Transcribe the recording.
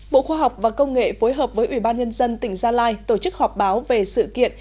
bộ khoa học và công nghệ phối hợp với ủy ban nhân dân tỉnh gia lai tổ chức họp báo về sự kiện